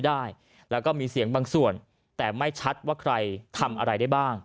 ได้แล้วก็มีเสียงบางส่วนแต่ไม่ชัดว่าใครทำอะไรได้บ้าง